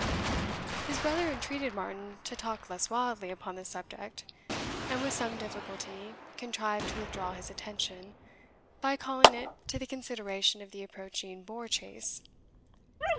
His brother entreated Martin to talk less wildly upon the subject, and with some difficulty contrived to withdraw his attention, by calling it to the consideration of the approaching boar chase.